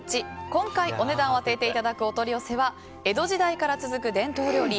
今回、お値段を当てていただくお取り寄せは江戸時代から続く伝統料理